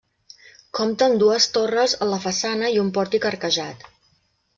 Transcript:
Compta amb dues torres en la façana i un pòrtic arquejat.